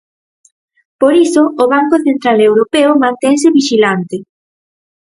Por iso, o Banco Central Europeo mantense vixilante.